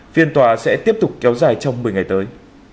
phiên tòa sẽ tiếp tục kéo dài trong một mươi ngày tới